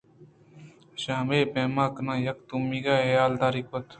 ایشاں ہمے پیم کنان ءَ یک دومی ءِ حیالداری کُت